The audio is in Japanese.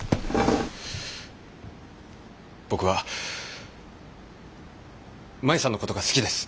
僕は舞さんのことが好きです。